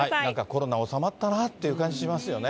コロナ収まったなって感じしますよね。